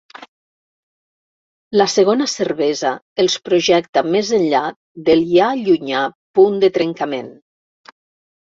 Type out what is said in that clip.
La segona cervesa els projecta més enllà del ja llunyà punt de trencament.